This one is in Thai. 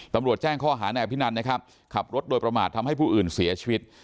ตำรวจแจ้งข้อหานายอภินันนะครับขับรถโดยประมาททำให้ผู้อื่นเสียชีวิต